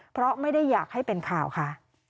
เพราะไม่ได้อยากให้เป็นข่าวค่ะ